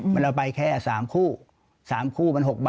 มันเอาไปแค่๓คู่